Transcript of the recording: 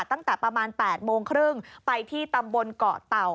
ตั้งแต่ประมาณ๘โมงครึ่งไปที่ตำบลเกาะเต่า